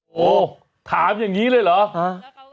โอ้ถามอย่างงี้เลยเหรอห้ารอ